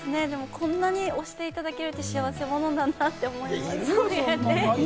こんなに推していただけると幸せ者なんだなと思いますね。